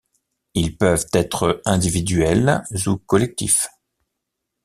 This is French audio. Ils peuvent être individuels ou collectifs.